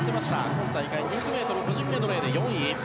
今大会２００ｍ個人メドレーで４位。